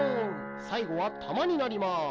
さいごはたまになります。